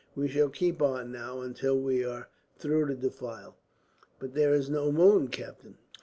We shall keep on, now, until we are through the defile." "But there is no moon, captain."